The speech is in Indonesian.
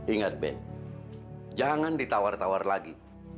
ingat be jangan ditawar tawar lagi